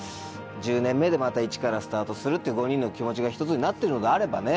１０年目でまたイチからスタートするっていう５人の気持ちが一つになってるのであればね。